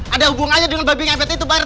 ada hubungannya dengan babi ngepet itu pak rt